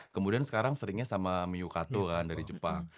kemudian sekarang seringnya sama miyukato kan dari jepang